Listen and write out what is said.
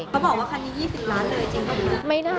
เขาบอกว่าคันนี้๒๐ล้าน้อย